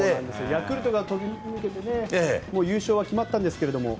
ヤクルトが優勝は決まったんですけど。